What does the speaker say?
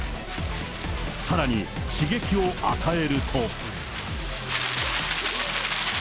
さらに刺激を与えると。